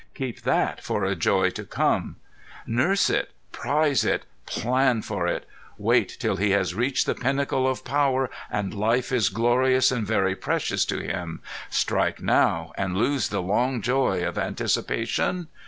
Keep that for a joy to come. Nurse it, prize it, plan for it! Wait till he has reached the pinnacle of power and life is glorious and very precious to him! Strike now and lose the long joy of anticipation?